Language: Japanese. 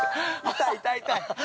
痛い痛い痛い！